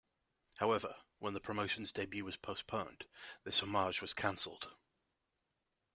However, when the promotion's debut was postponed, this homage was cancelled.